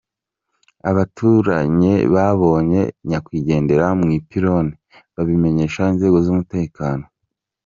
Abaturanye babonye nyakwigendera mu ipironi babimenyesha inzego z’ umutekano.